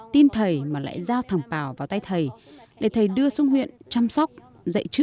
tin thầy mà lại giao thằng pào vào tay thầy để thầy đưa xuống huyện chăm sóc dạy chữ